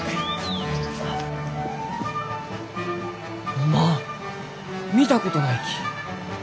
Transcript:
おまん見たことないき。